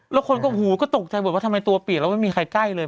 แล้วคนก็หูก็ตกใจหมดว่าทำไมตัวเปียกแล้วไม่มีใครใกล้เลย